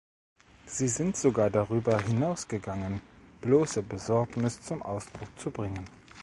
Sie sind sogar darüber hinausgegangen, bloße Besorgnis zum Ausdruck zu bringen.